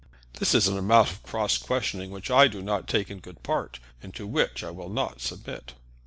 "This is an amount of cross questioning which I do not take in good part, and to which I will not submit."